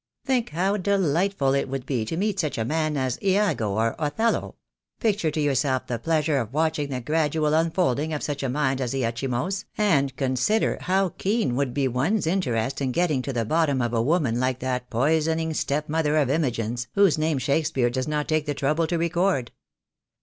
Think how delightful it would be to meet such a man as Iago or Othello — picture to yourself the pleasure of watching the gradual unfolding of such a mind as Iachimo's, and consider how keen would be one's interest in getting to the bottom of a woman like that poisoning step mother of Imogen's whose name Shakspeare does not take the trouble to re cord.